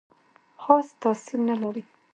خاص تاثیر نه لري.